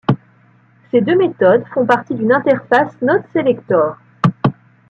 Ces deux méthodes font partie d'une interface NodeSelector.